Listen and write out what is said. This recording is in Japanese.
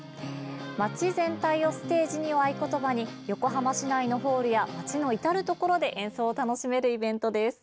「街全体をステージに」を合言葉に横浜市内のホールや街の至るところで演奏を楽しめるイベントです。